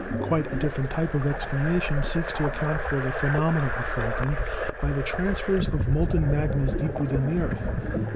Quite a different type of explanation seeks to account for the phenomena of faulting by the transfers of molten 170 GEOLOGY magmas deep within the earth.